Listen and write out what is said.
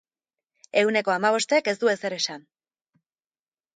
Ehuneko hamabostek ez du ezer esan.